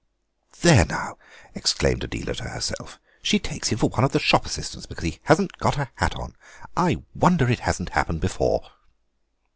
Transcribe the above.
"There now," exclaimed Adela to herself, "she takes him for one of the shop assistants because he hasn't got a hat on. I wonder it hasn't happened before."